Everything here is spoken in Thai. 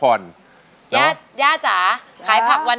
ร้องได้ให้ร้อง